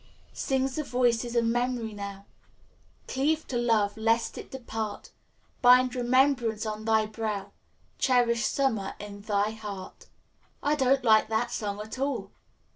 Sings the voice of Mem'ry now, 'Cleave to Love lest it depart; Bind remembrance on thy brow, Cherish Summer in thy heart.'" "I don't like that song at all."